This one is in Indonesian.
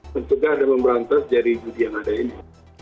dan juga ada memberantas jadi judi yang ada ini